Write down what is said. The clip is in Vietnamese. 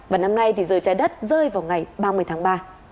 và năm nay thì giờ trái đất rơi vào ngày ba mươi tháng ba